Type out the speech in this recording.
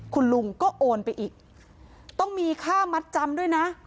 คุณลุงก็โอนไปอีกต้องมีค่ามัดจำด้วยนะ